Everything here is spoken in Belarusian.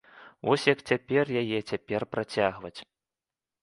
Вось як цяпер яе цяпер працягваць.